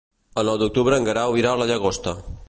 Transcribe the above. El nou d'octubre en Guerau irà a la Llagosta.